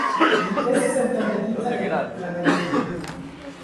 Li estis entombigita en Karelio.